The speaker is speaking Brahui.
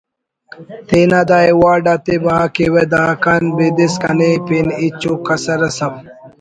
تینا دا ایوارڈ آتے بہا کیوہ داکان بیدس کنے پین ہچ ءُ کسر اس اف